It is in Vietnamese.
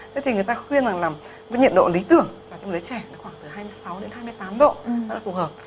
thế thì người ta khuyên là nhiệt độ lý tưởng trong đứa trẻ khoảng từ hai mươi sáu đến hai mươi tám độ đó là phù hợp